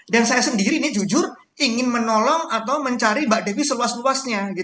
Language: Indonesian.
dan saya sendiri ini jujur ingin menolong atau mencari mbak devi seluas luasnya